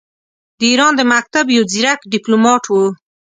د ایران د مکتب یو ځیرک ډیپلوماټ وو.